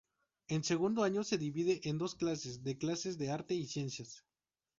En segundo año, se divide en dos clases de clases de arte y ciencias.